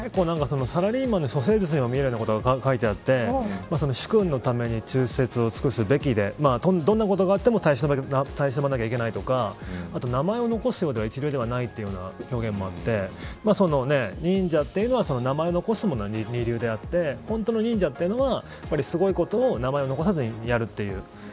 サラリーマンの処世術みたいなことも書いてあって主君のめに忠節を尽くすべきでどんなことがあっても耐え忍ばなきゃいけないとかあと名前を残すようでは一流ではないという表現もあって忍者というのは名前を残すのは二流であって本当の忍者というのはすごいことを名前を残さずにやるという。